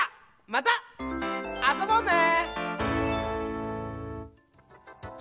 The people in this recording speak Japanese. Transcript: またあそぼうね！